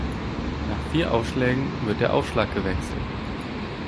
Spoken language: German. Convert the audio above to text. Nach vier Aufschlägen wird der Aufschlag gewechselt.